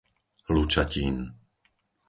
Lučatín